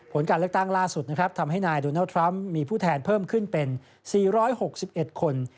ผลการเลือกตั้งล่าสุดนะครับทำให้นายโดนัลดทรัมป์มีผู้แทนเพิ่มขึ้นเป็น๔๖๑คน